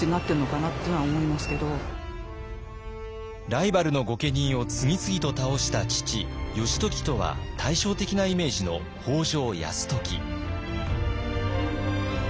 ライバルの御家人を次々と倒した父義時とは対照的なイメージの北条泰時。